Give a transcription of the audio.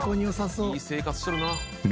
いい生活しとるな。